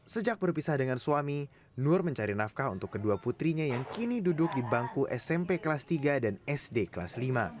sejak berpisah dengan suami nur mencari nafkah untuk kedua putrinya yang kini duduk di bangku smp kelas tiga dan sd kelas lima